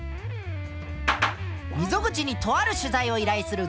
溝口にとある取材を依頼する